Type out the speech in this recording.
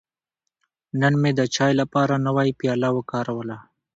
نن مې د چای لپاره نوی پیاله وکاروله.